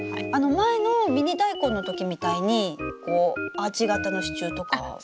前のミニダイコンの時みたいにアーチ型の支柱とかは。